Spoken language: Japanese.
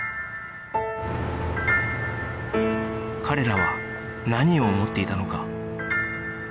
彼らは何を思っていたのか？